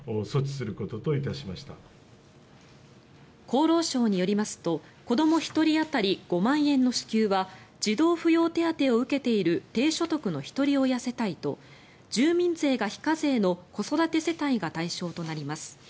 厚労省によりますと子ども１人当たり５万円の支給は児童扶養手当を受けている低所得のひとり親世帯と住民税が非課税の子育て世帯が対象となります。